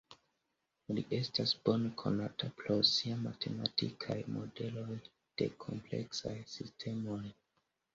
Li estas bone konata pro sia matematikaj modeloj de kompleksaj sistemoj.